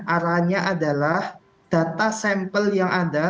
arahnya adalah data sampel yang ada